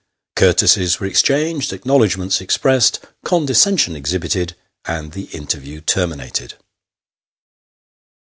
Courtesies were exchanged, acknowledgments expressed, condescen sion exhibited, and the interview terminated.